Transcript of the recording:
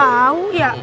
gak tau ya